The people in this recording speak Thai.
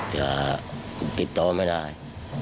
ติดต่อไม่ได้